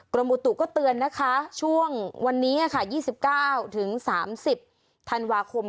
อุตุก็เตือนนะคะช่วงวันนี้๒๙๓๐ธันวาคม